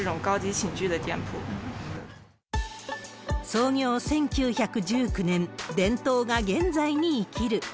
創業１９１９年、伝統が現在に生きる。